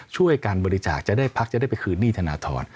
ช่วยการบริจาคจะได้พักจะได้ไปคืนหนี้ธนทร